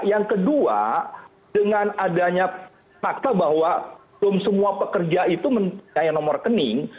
yang kedua dengan adanya fakta bahwa belum semua pekerja itu mempunyai nomor rekening